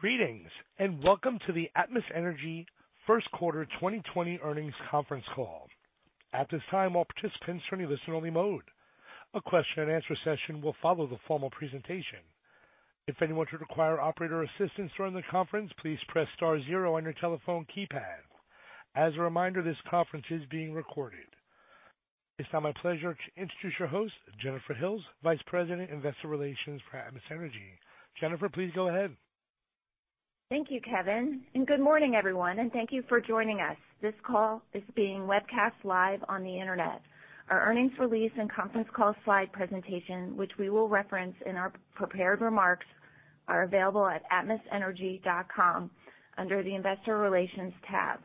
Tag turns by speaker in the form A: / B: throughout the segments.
A: Greetings, and welcome to the Atmos Energy Q1 2020 earnings conference call. At this time, all participants are in listen-only mode. A question-and-answer session will follow the formal presentation. If anyone should require operator assistance during the conference, please press star zero on your telephone keypad. As a reminder, this conference is being recorded. It's now my pleasure to introduce your host, Jennifer Hills, Vice President, Investor Relations for Atmos Energy. Jennifer, please go ahead.
B: Thank you, Kevin, good morning, everyone, and thank you for joining us. This call is being webcast live on the internet. Our earnings release and conference call slide presentation, which we will reference in our prepared remarks, are available at atmosenergy.com under the Investor Relations tab.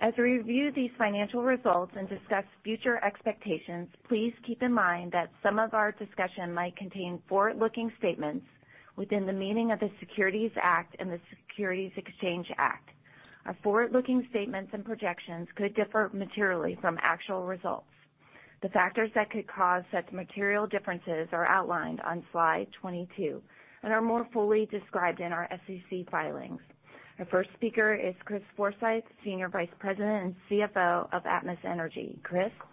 B: As we review these financial results and discuss future expectations, please keep in mind that some of our discussion might contain forward-looking statements within the meaning of the Securities Act and the Securities Exchange Act. Our forward-looking statements and projections could differ materially from actual results. The factors that could cause such material differences are outlined on slide 22 and are more fully described in our SEC filings. Our first speaker is Christopher Forsythe, Senior Vice President and CFO of Atmos Energy. Christopher?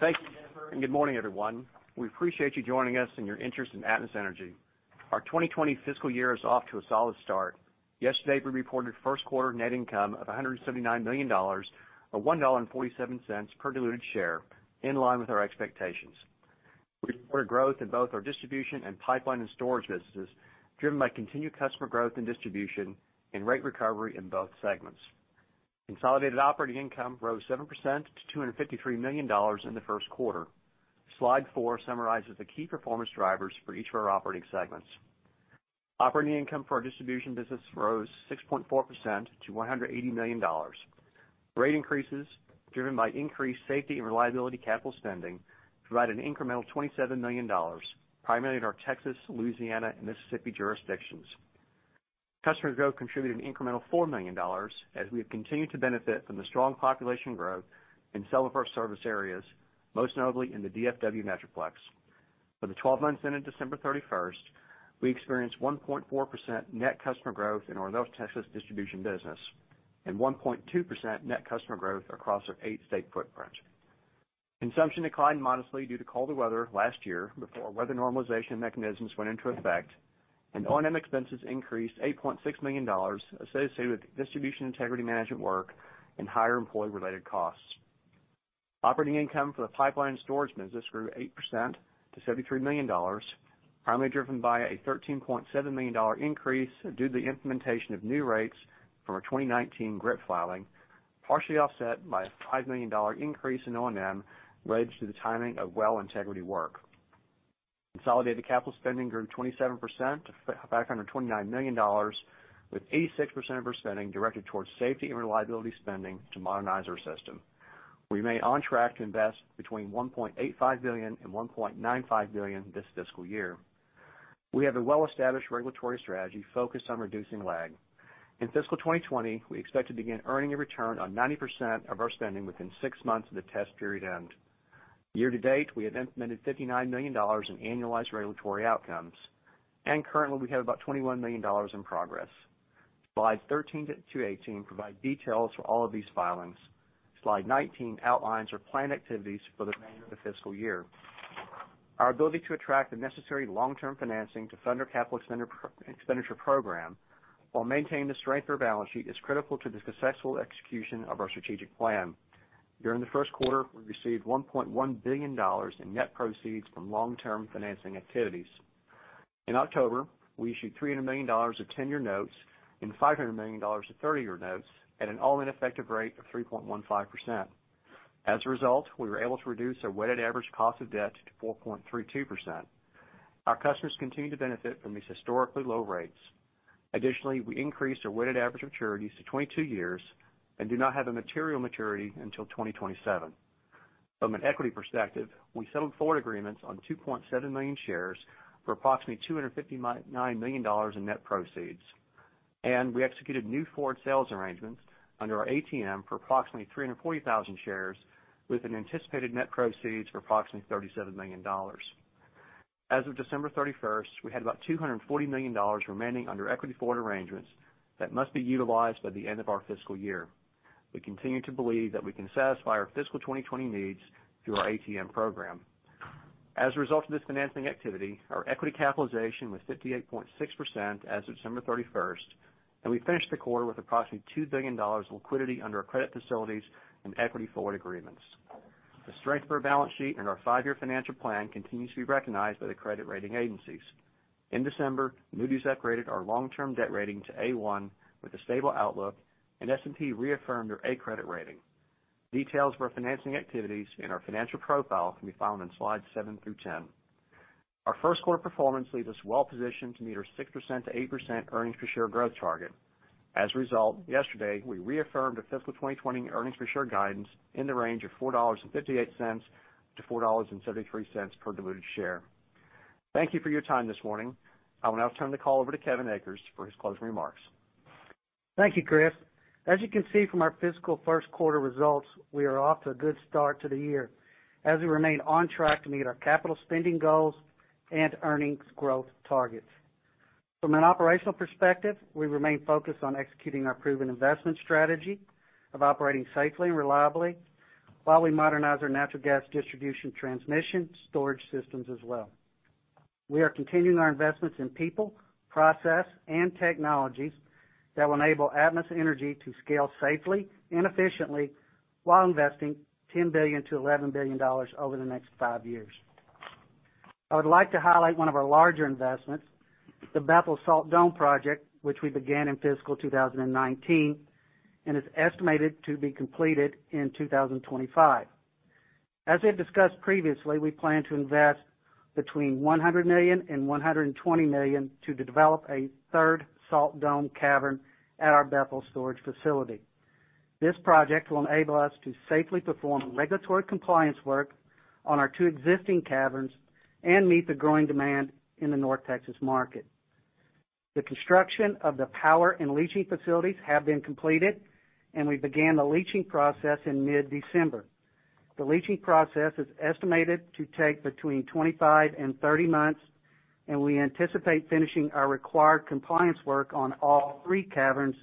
C: Thank you, Jennifer, and good morning, everyone. We appreciate you joining us and your interest in Atmos Energy. Our 2020 fiscal year is off to a solid start. Yesterday, we reported Q1 net income of $179 million, or $1.47 per diluted share, in line with our expectations. We reported growth in both our distribution and pipeline and storage businesses, driven by continued customer growth and distribution and rate recovery in both segments. Consolidated operating income rose 7% to $253 million in the Q1. Slide four summarizes the key performance drivers for each of our operating segments. Operating income for our distribution business rose 6.4% to $180 million. Rate increases driven by increased safety and reliability capital spending provided an incremental $27 million, primarily in our Texas, Louisiana, and Mississippi jurisdictions. Customer growth contributed an incremental $4 million, as we have continued to benefit from the strong population growth in some of our service areas, most notably in the DFW metroplex. For the 12 months ended December 31st, we experienced 1.4% net customer growth in our North Texas distribution business and 1.2% net customer growth across our eight-state footprint. Consumption declined modestly due to colder weather last year before weather normalization mechanisms went into effect, and O&M expenses increased $8.6 million associated with distribution integrity management work and higher employee-related costs. Operating income for the pipeline storage business grew 8% to $73 million, primarily driven by a $13.7 million increase due to the implementation of new rates from our 2019 GRIP filing, partially offset by a $5 million increase in O&M related to the timing of well integrity work. Consolidated capital spending grew 27% to $529 million, with 86% of our spending directed towards safety and reliability spending to modernize our system. We remain on track to invest between $1.85 billion and $1.95 billion this fiscal year. We have a well-established regulatory strategy focused on reducing lag. In fiscal 2020, we expect to begin earning a return on 90% of our spending within six months of the test period end. Year to date, we have implemented $59 million in annualized regulatory outcomes, and currently, we have about $21 million in progress. Slides 13 to 18 provide details for all of these filings. Slide 19 outlines our planned activities for the remainder of the fiscal year. Our ability to attract the necessary long-term financing to fund our capital expenditure program while maintaining the strength of our balance sheet is critical to the successful execution of our strategic plan. During the Q1, we received $1.1 billion in net proceeds from long-term financing activities. In October, we issued $300 million of 10-year notes and $500 million of 30-year notes at an all-in effective rate of 3.15%. As a result, we were able to reduce our weighted average cost of debt to 4.32%. Our customers continue to benefit from these historically low rates. Additionally, we increased our weighted average maturities to 22 years and do not have a material maturity until 2027. From an equity perspective, we settled forward agreements on 2.7 million shares for approximately $259 million in net proceeds. We executed new forward sales arrangements under our ATM for approximately 340,000 shares with an anticipated net proceeds of approximately $37 million. As of December 31st, we had about $240 million remaining under equity forward arrangements that must be utilized by the end of our fiscal year. We continue to believe that we can satisfy our fiscal 2020 needs through our ATM program. As a result of this financing activity, our equity capitalization was 58.6% as of December 31st, and we finished the quarter with approximately $2 billion in liquidity under our credit facilities and equity forward agreements. The strength of our balance sheet and our five-year financial plan continues to be recognized by the credit rating agencies. In December, Moody's upgraded our long-term debt rating to A1 with a stable outlook, and S&P reaffirmed our A credit rating. Details of our financing activities and our financial profile can be found on slides seven through 10. Our Q1 performance leaves us well-positioned to meet our 6% to 8% earnings per share growth target. As a result, yesterday, we reaffirmed our fiscal 2020 earnings per share guidance in the range of $4.58 to $4.73 per diluted share. Thank you for your time this morning. I will now turn the call over to Kevin Akers for his closing remarks.
D: Thank you, Christopher. As you can see from our fiscal Q1 results, we are off to a good start to the year as we remain on track to meet our capital spending goals and earnings growth targets. From an operational perspective, we remain focused on executing our proven investment strategy of operating safely and reliably while we modernize our natural gas distribution transmission storage systems as well. We are continuing our investments in people, process, and technologies that will enable Atmos Energy to scale safely and efficiently while investing $10 billion to $11 billion over the next five years. I would like to highlight one of our larger investments, the Bethel Salt Dome Project, which we began in fiscal 2019 and is estimated to be completed in 2025. As I discussed previously, we plan to invest between $100 million and $120 million to develop a third salt dome cavern at our Bethel storage facility. This project will enable us to safely perform regulatory compliance work on our two existing caverns and meet the growing demand in the North Texas market. The construction of the power and leaching facilities have been completed. We began the leaching process in mid-December. The leaching process is estimated to take between 25 and 30 months. We anticipate finishing our required compliance work on all three caverns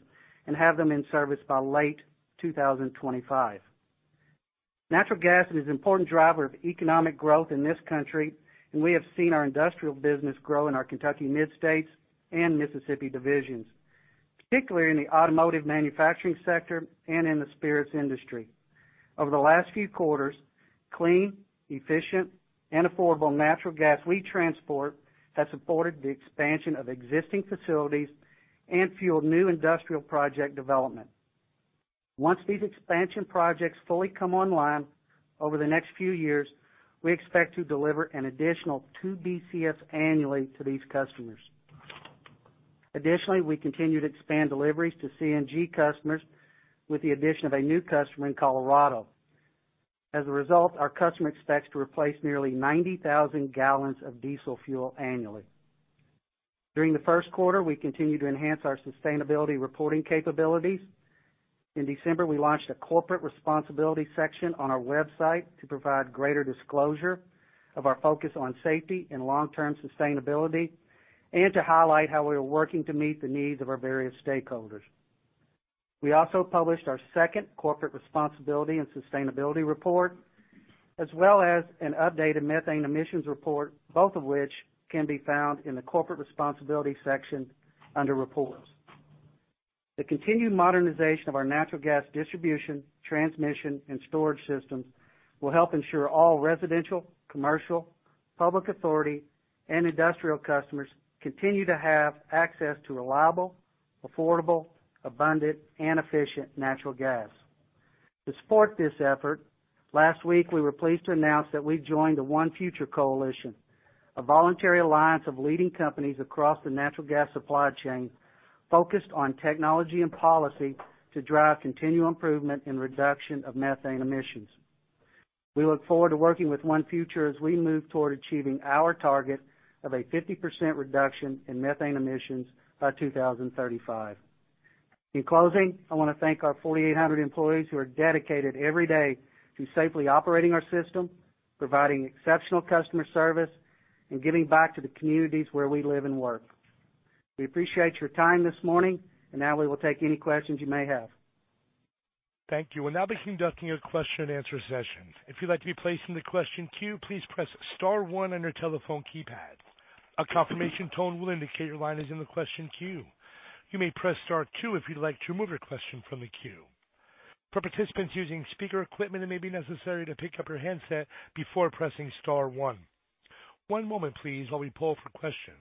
D: and have them in service by late 2025. Natural gas is an important driver of economic growth in this country. We have seen our industrial business grow in our Kentucky/Mid-States and Mississippi divisions, particularly in the automotive manufacturing sector and in the spirits industry. Over the last few quarters, clean, efficient, and affordable natural gas we transport has supported the expansion of existing facilities and fueled new industrial project development. Once these expansion projects fully come online over the next few years, we expect to deliver an additional two BCFs annually to these customers. Additionally we continue to expand deliveries to CNG customers with the addition of a new customer in Colorado. As a result our customer expects to replace nearly 90,000 gallons of diesel fuel annually. During the Q1, we continued to enhance our sustainability reporting capabilities. In December, we launched a corporate responsibility section on our website to provide greater disclosure of our focus on safety and long-term sustainability and to highlight how we are working to meet the needs of our various stakeholders. We also published our second corporate responsibility and sustainability report, as well as an updated methane emissions report, both of which can be found in the corporate responsibility section under reports. The continued modernization of our natural gas distribution, transmission, and storage systems will help ensure all residential, commercial, public authority, and industrial customers continue to have access to reliable, affordable, abundant, and efficient natural gas. To support this effort, last week, we were pleased to announce that we've joined the ONE Future Coalition, a voluntary alliance of leading companies across the natural gas supply chain focused on technology and policy to drive continual improvement in reduction of methane emissions. We look forward to working with ONE Future as we move toward achieving our target of a 50% reduction in methane emissions by 2035. In closing, I want to thank our 4,800 employees who are dedicated every day to safely operating our system, providing exceptional customer service, and giving back to the communities where we live and work. We appreciate your time this morning. Now we will take any questions you may have.
A: Thank you. We'll now be conducting a question and answer session. If you'd like to be placed in the question queue, please press star one on your telephone keypad. A confirmation tone will indicate your line is in the question queue. You may press star two if you'd like to remove your question from the queue. For participants using speaker equipment, it may be necessary to pick up your handset before pressing star one. One moment, please, while we pull for questions.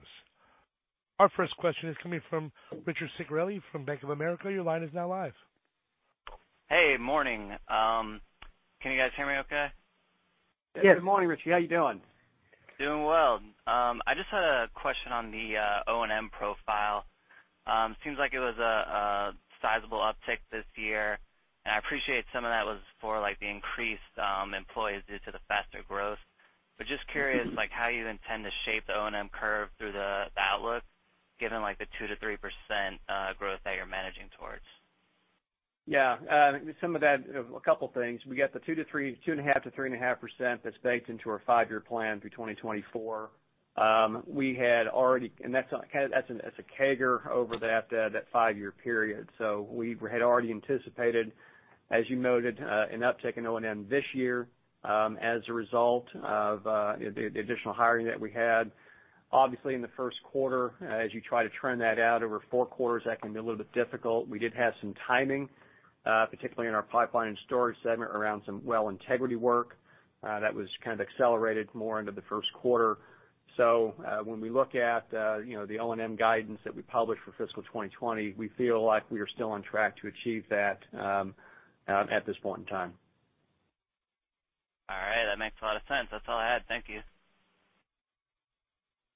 A: Our first question is coming from Richard Ciciarelli from Bank of America. Your line is now live.
E: Hey, morning. Can you guys hear me okay?
D: Yes.
C: Good morning, Richard. How you doing?
E: Doing well. I just had a question on the O&M profile. Seems like it was a sizable uptick this year. I appreciate some of that was for the increased employees due to the faster growth. Just curious, how you intend to shape the O&M curve through the outlook, given the 2% to 3% growth that you're managing towards.
C: A yeah, couple things. We got the 2.5% to 3.5% that's baked into our five-year plan through 2024. That's a CAGR over that five-year period. We had already anticipated, as you noted, an uptick in O&M this year as a result of the additional hiring that we had. Obviously, in the Q1, as you try to trend that out over four quarters, that can be a little bit difficult. We did have some timing, particularly in our pipeline and storage segment around some well integrity work that was kind of accelerated more into the Q1. When we look at the O&M guidance that we published for fiscal 2020, we feel like we are still on track to achieve that at this point in time.
E: All right. That makes a lot of sense. That's all I had. Thank you.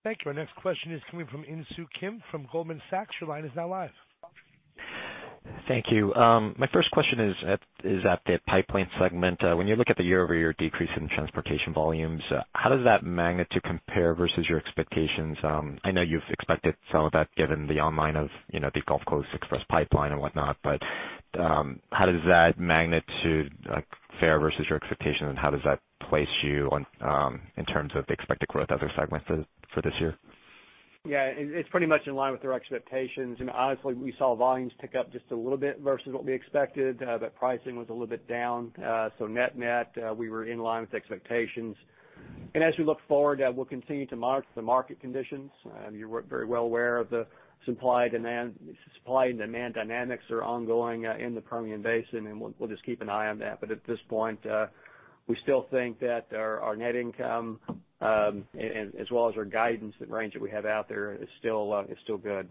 A: Thank you. Our next question is coming from Insoo Kim from Goldman Sachs. Your line is now live.
F: Thank you. My first question is at the pipeline segment. When you look at the year-over-year decrease in transportation volumes, how does that magnitude compare versus your expectations? I know you've expected some of that given the online of the Gulf Coast Express Pipeline and whatnot, but how does that magnitude fare versus your expectations, and how does that place you in terms of the expected growth of the segment for this year?
C: Yeah. It's pretty much in line with our expectations. Honestly, we saw volumes pick up just a little bit versus what we expected. Pricing was a little bit down. Net-net, we were in line with expectations. As we look forward, we'll continue to monitor the market conditions. You're very well aware of the supply and demand dynamics are ongoing in the Permian Basin, and we'll just keep an eye on that. At this point, we still think that our net income, as well as our guidance, that range that we have out there is still good.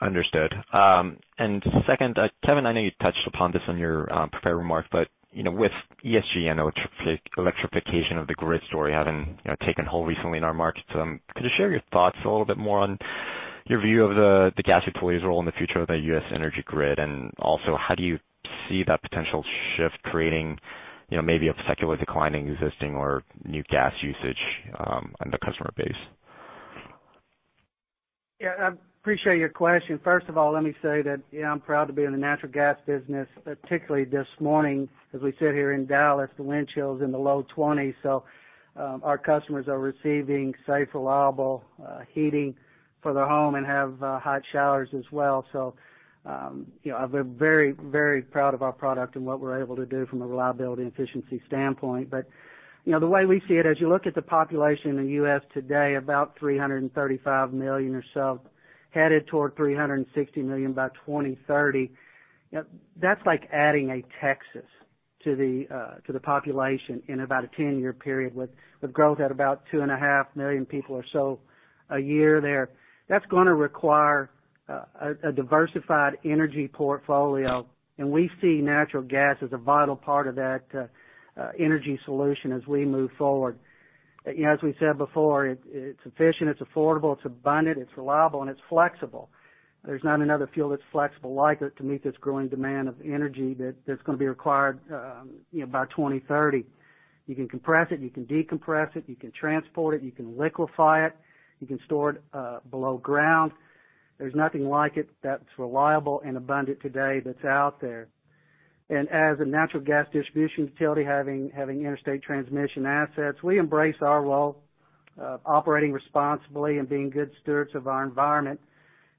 F: Understood. Uh, and second, Kevin, I know you touched upon this in your prepared remarks, but with ESG and electrification of the grid story having taken hold recently in our markets, could you share your thoughts a little bit more on your view of the gas utilities' role in the future of the U.S. energy grid? Also, how do you see that potential shift creating maybe a secular declining existing or new gas usage on the customer base?
D: Yeah, I appreciate your question. First of all, let me say that, yeah, I'm proud to be in the natural gas business, particularly this morning as we sit here in Dallas, the wind chill's in the low 20s. Our customers are receiving safe, reliable heating for their home and have hot showers as well. I've been very proud of our product and what we're able to do from a reliability and efficiency standpoint. The way we see it, as you look at the population in the U.S. today, about 335 million or so, headed toward 360 million by 2030. That's like adding a Texas to the population in about a 10-year period, with growth at about 2.5 million people or so a year there. That's gonna require a diversified energy portfolio, and we see natural gas as a vital part of that energy solution as we move forward. As we said before, it's efficient, it's affordable, it's abundant, it's reliable, and it's flexible. There's not another fuel that's flexible like it to meet this growing demand of energy that's going to be required by 2030. You can compress it. You can decompress it. You can transport it. You can liquefy it. You can store it below ground. There's nothing like it that's reliable and abundant today that's out there. As a natural gas distribution utility having interstate transmission assets, we embrace our role of operating responsibly and being good stewards of our environment.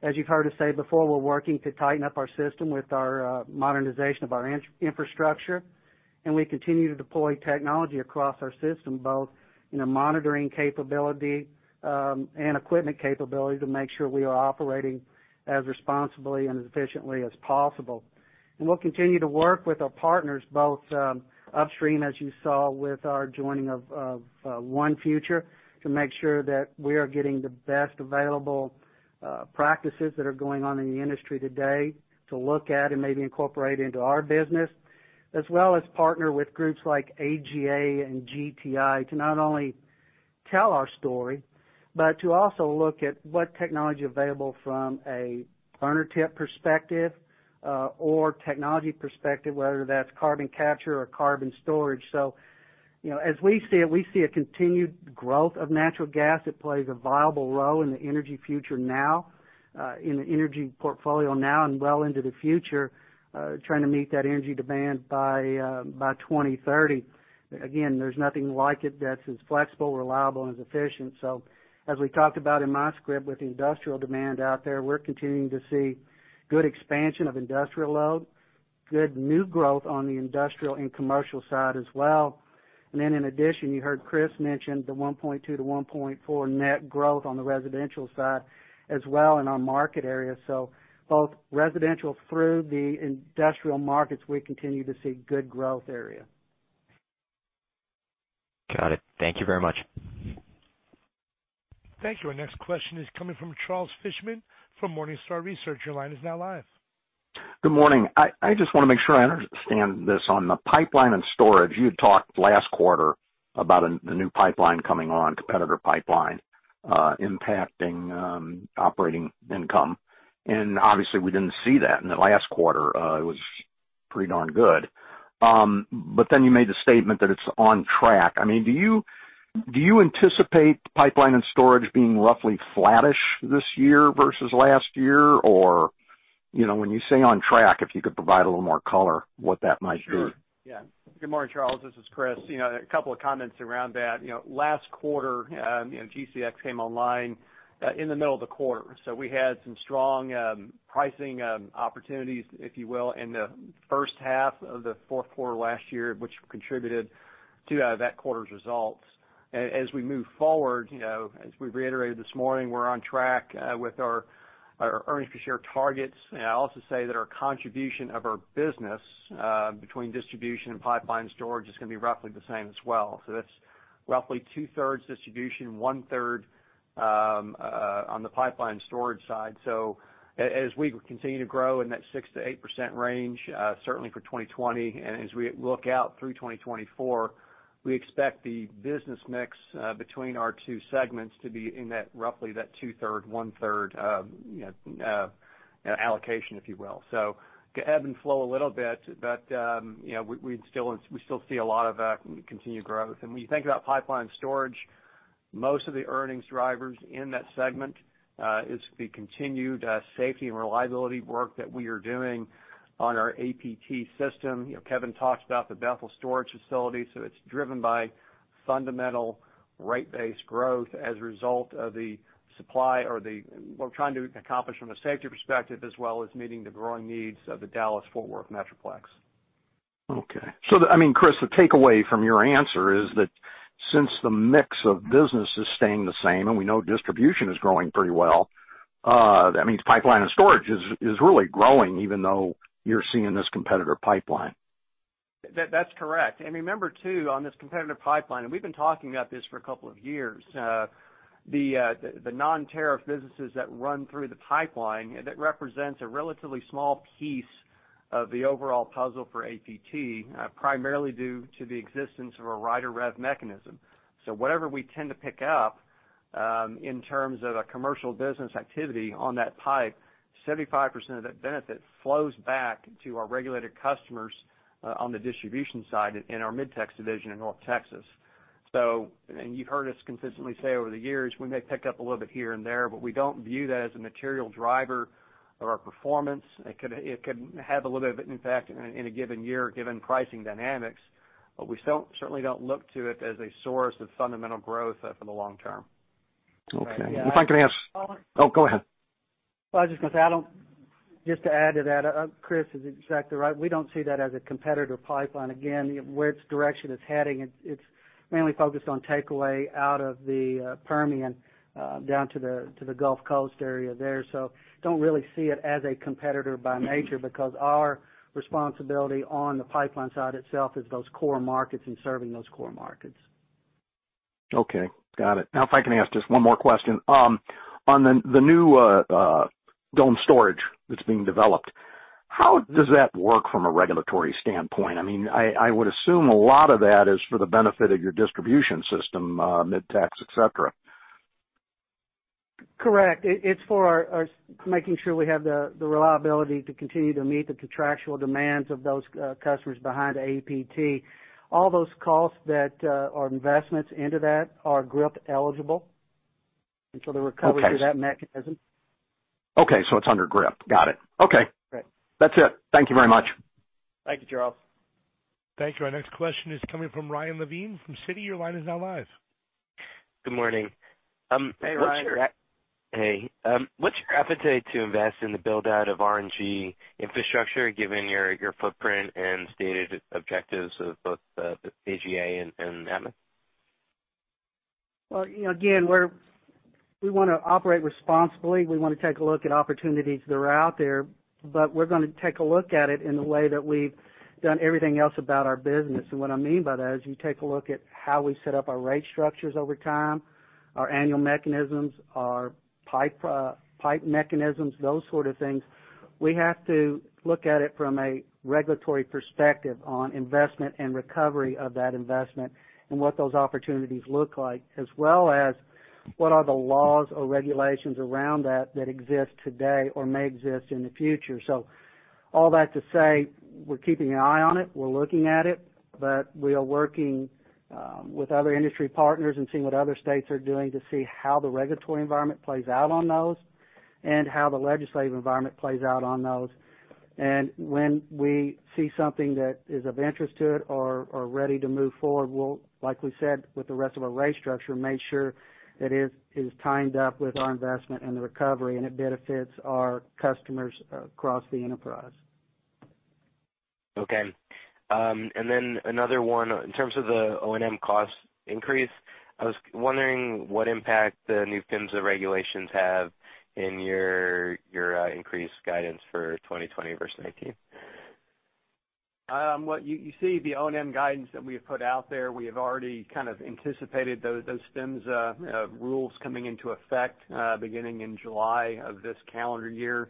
D: As you've heard us say before, we're working to tighten up our system with our modernization of our infrastructure. And we continue to deploy technology across our system, both in a monitoring capability and equipment capability to make sure we are operating as responsibly and as efficiently as possible. We'll continue to work with our partners, both upstream, as you saw with our joining of ONE Future, to make sure that we are getting the best available practices that are going on in the industry today to look at and maybe incorporate into our business, as well as partner with groups like AGA and GTI to not only tell our story, but to also look at what technology available from a burner tip perspective or technology perspective, whether that's carbon capture or carbon storage. As we see it, we see a continued growth of natural gas that plays a viable role in the energy future now, in the energy portfolio now and well into the future trying to meet that energy demand by 2030. Again, there's nothing like it that's as flexible, reliable, and as efficient. As we talked about in my script with industrial demand out there, we're continuing to see good expansion of industrial load, good new growth on the industrial and commercial side as well. Then in addition, you heard Chris mention the 1.2% to 1.4% net growth on the residential side as well in our market area. Both residential through the industrial markets, we continue to see good growth area.
F: Got it. Thank you very much.
A: Thank you. Our next question is coming from Charles Fishman from Morningstar Research. Your line is now live.
G: Good morning. I just want to make sure I understand this. On the pipeline and storage, you had talked last quarter about a new pipeline coming on, competitor pipeline impacting operating income. And obviously, we didn't see that in the last quarter. It was pretty darn good. But then you made the statement that it's on track. Do you anticipate pipeline and storage being roughly flattish this year versus last year? When you say on track, if you could provide a little more color what that might be?
C: Sure. Good morning, Charles. This is Christopher. A couple of comments around that. Last quarter, GCX came online in the middle of the quarter, so we had some strong pricing opportunities, if you will, in the H1 of the Q4 last year, which contributed to that quarter's results. As we move forward, as we reiterated this morning, we're on track with our earnings per share targets. I'll also say that our contribution of our business between distribution and pipeline storage is going to be roughly the same as well. That's roughly two-thirds distribution, one-third on the pipeline storage side. So as we continue to grow in that 6% to 8% range, certainly for 2020, and as we look out through 2024, we expect the business mix between our two segments to be in roughly that two-thirds, one-third allocation, if you will. Ebb and flow a little bit, but we still see a lot of continued growth. When you think about pipeline storage, most of the earnings drivers in that segment is the continued safety and reliability work that we are doing on our APT system. Kevin talked about the Bethel storage facility. It's driven by fundamental rate-based growth as a result of the supply, or what we're trying to accomplish from a safety perspective, as well as meeting the growing needs of the Dallas-Fort Worth metroplex.
G: Okay. Christopher, the takeaway from your answer is that since the mix of business is staying the same, and we know distribution is growing pretty well, that means pipeline and storage is really growing, even though you're seeing this competitor pipeline.
C: That's correct. Remember too, on this competitor pipeline, and we've been talking about this for a couple of years. The non-tariff businesses that run through the pipeline, that represents a relatively small piece of the overall puzzle for APT, primarily due to the existence of a Rider REV mechanism. Whatever we tend to pick up, in terms of the commercial business activity on that pipe, 75% of that benefit flows back to our regulated customers on the distribution side in our Mid-Tex division in North Texas. And so you've heard us consistently say over the years, we may pick up a little bit here and there, but we don't view that as a material driver of our performance. It could have a little bit of an impact in a given year, given pricing dynamics, but we certainly don't look to it as a source of fundamental growth for the long term.
G: Okay.
D: Yeah.
G: Oh, go ahead.
D: I was just going to add on. Just to add to that, Christopher is exactly right. We don't see that as a competitor pipeline. Again, which direction it's heading, it's mainly focused on takeaway out of the Permian, down to the Gulf Coast area there. Don't really see it as a competitor by nature, because our responsibility on the pipeline side itself is those core markets and serving those core markets.
G: Okay. Got it. If I can ask just one more question. On the new dome storage that's being developed, how does that work from a regulatory standpoint? I would assume a lot of that is for the benefit of your distribution system, Mid-Tex, et cetera.
D: Correct. It's for making sure we have the reliability to continue to meet the contractual demands of those customers behind APT. All those costs that are investments into that are GRIP eligible, and so they're recovered-
G: Okay
D: through that mechanism.
G: Okay, it's under GRIP. Got it. Okay.
D: Right.
G: That's it. Thank you very much.
C: Thank you, Charles.
A: Thank you. Our next question is coming from Ryan Levine from Citi. Your line is now live.
H: Good morning.
C: Hey, Ryan.
H: Hey. What's your appetite to invest in the build-out of RNG infrastructure, given your footprint and stated objectives of both the AGA and Atmos?
D: Well, again, we want to operate responsibly. We want to take a look at opportunities that are out there, we're going to take a look at it in the way that we've done everything else about our business. What I mean by that, as you take a look at how we set up our rate structures over time, our annual mechanisms, our pipe mechanisms, those sort of things. We have to look at it from a regulatory perspective on investment and recovery of that investment and what those opportunities look like, as well as what are the laws or regulations around that that exist today or may exist in the future. So all that to say, we're keeping an eye on it, we're looking at it, but we are working with other industry partners and seeing what other states are doing to see how the regulatory environment plays out on those, and how the legislative environment plays out on those. When we see something that is of interest to it or are ready to move forward, we'll, like we said, with the rest of our rate structure, make sure that it is timed up with our investment and the recovery, and it benefits our customers across the enterprise.
H: Okay. And then another one. In terms of the O&M cost increase, I was wondering what impact the new PHMSA regulations have in your increased guidance for 2020 versus 2019?
C: You see the O&M guidance that we have put out there. We have already kind of anticipated those PHMSA rules coming into effect beginning in July of this calendar year.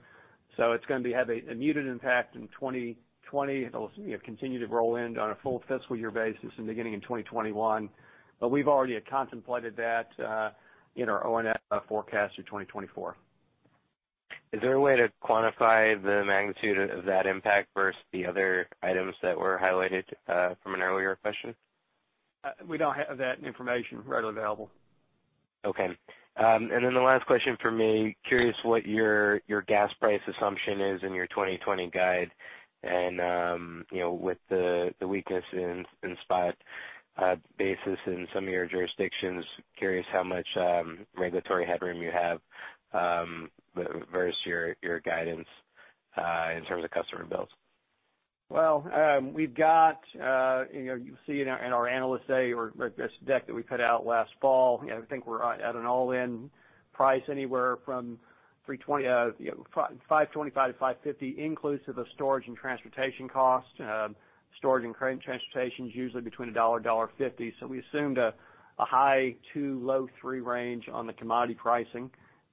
C: It's going to have a muted impact in 2020. It'll continue to roll in on a full fiscal year basis beginning in 2021. We've already contemplated that in our O&M forecast through 2024.
H: Is there a way to quantify the magnitude of that impact versus the other items that were highlighted from an earlier question?
C: We don't have that information readily available.
H: Okay. And then the last question for me, curious what your gas price assumption is in your 2020 guide and with the weakness in spot basis in some of your jurisdictions, curious how much regulatory headroom you have versus your guidance in terms of customer bills?
C: Well, we've got, you know, our Analyst Day or this deck that we put out last fall, I think we're at an all-in price anywhere from $5.25 to $5.50 inclusive of storage and transportation cost. Storage and transportation is usually between $1 to $1.50. We assumed a high two, low three range on the commodity pricing.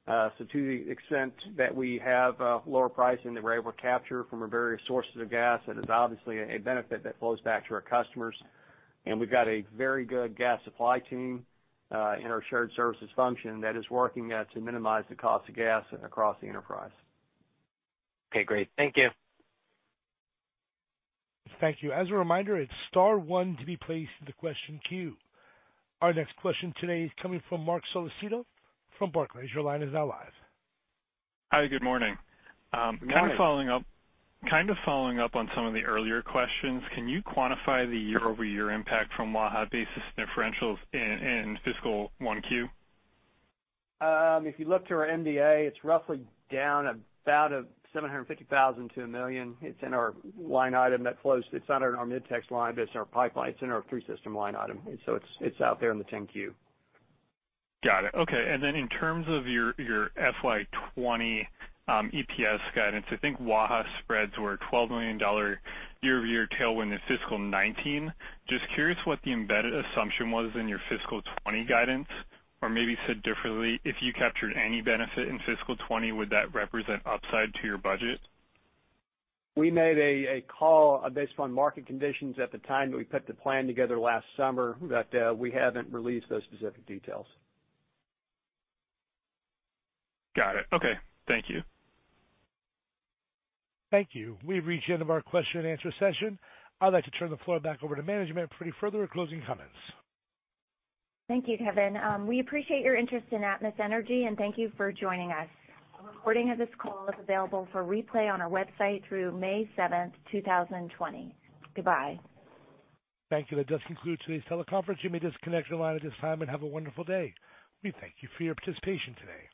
C: To the extent that we have a lower pricing that we're able to capture from our various sources of gas, that is obviously a benefit that flows back to our customers. We've got a very good gas supply team in our shared services function that is working to minimize the cost of gas across the enterprise.
H: Okay, great. Thank you.
A: Thank you. As a reminder, it's star one to be placed in the question queue. Our next question today is coming from Marc Solecitto from Barclays. Your line is now live.
I: Hi, good morning.
C: Good morning.
I: Kind of following up on some of the earlier questions, can you quantify the year-over-year impact from Waha basis differentials in fiscal 1Q?
C: If you look to our MD&A, it's roughly down about $750,000 to $1 million. It's in our line item that flows. It's not in our Mid-Tex line, but it's in our pipeline. It's in our through-system line item. It's out there in the 10-Q.
I: Got it. Okay. In terms of your FY 2020 EPS guidance, I think Waha spreads were $12 million year-over-year tailwind in fiscal 2019. Just curious what the embedded assumption was in your fiscal 2020 guidance, or maybe said differently, if you captured any benefit in fiscal 2020, would that represent upside to your budget?
C: We made a call based upon market conditions at the time that we put the plan together last summer, but we haven't released those specific details.
I: Got it. Okay. Thank you.
A: Thank you. We've reached the end of our question and answer session. I'd like to turn the floor back over to management for any further closing comments.
B: Thank you, Kevin. We appreciate your interest in Atmos Energy, and thank you for joining us. A recording of this call is available for replay on our website through May 7th, 2020. Goodbye.
A: Thank you. That does conclude today's teleconference. You may disconnect your line at this time and have a wonderful day. We thank you for your participation today.